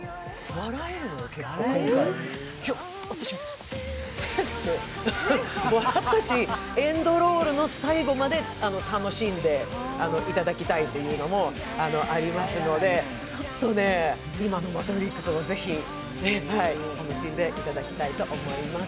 笑ったし、エンドロールの最後まで楽しんでいただきたいというのもありますのでちょっと今の「マトリックス」をぜひ楽しんでいただきたいと思います。